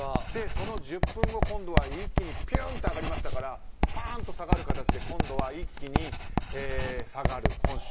その１０分後今度は一気に上がりましたからパーンと下がる形で今度は一気に下がる。